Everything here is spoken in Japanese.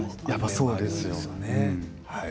そうなんですよ。